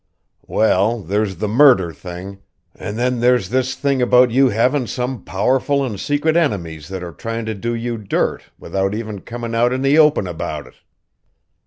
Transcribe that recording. "Well, there's the murder thing, and then there's this thing about you havin' some powerful and secret enemies that are tryin' to do you dirt without even comin' out in the open about it.